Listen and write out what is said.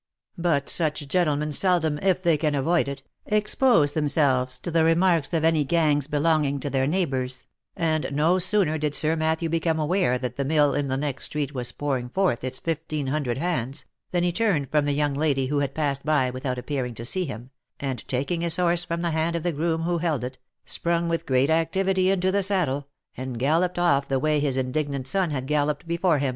But such gentlemen seldom, if they can avoid it, expose themselves to the remarks of any gangs belonging to their neighbours, and no sooner did Sir Matthew become aware that the mill in the next street was pouring forth its fifteen hundred hands, than he turned from the young lady who had passed by without appearing to see him, and taking his horse from the hand of the groom who held it, sprung with great ac tivity into the saddle, and galloped off the way his indignant son had galloped before him.